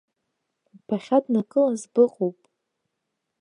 Бахьаднакылаз быҟоуп.